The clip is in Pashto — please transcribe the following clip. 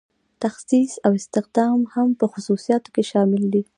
تخصیص او استخدام هم په خصوصیاتو کې شامل دي.